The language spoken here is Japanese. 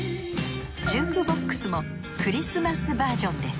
ジュークボックスもクリスマスバージョンです